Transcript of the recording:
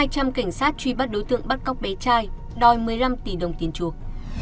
hai trăm linh cảnh sát truy bắt đối tượng bắt cóc bé trai đòi một mươi năm tỷ đồng tiền chuộc